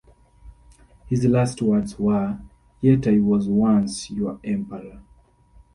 His last words were "Yet I was once your Emperor".